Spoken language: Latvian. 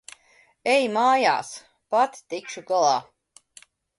Ej mājās. Pati tikšu galā.